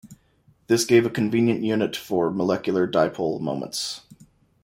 This gave a convenient unit for molecular dipole moments.